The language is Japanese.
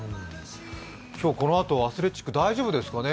今日、このあと、アスレチック大丈夫ですかね？